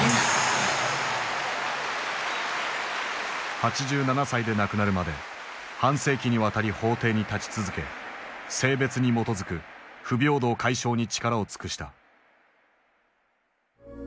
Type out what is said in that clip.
８７歳で亡くなるまで半世紀にわたり法廷に立ち続け性別に基づく不平等解消に力を尽くした。